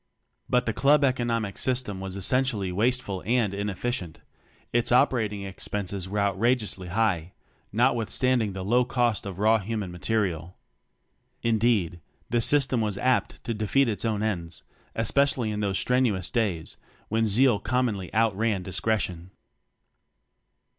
But the club economic system was essentially wasteful and inefficient; its operating expenses were outrageously high, notwithstanding the low cost of raw (human) material. Indeed, the system was apt to defeat its own ends, especially in those strenuous days, when zeal commonly outran discre tion.